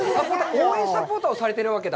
応援サポーターをされているわけだ。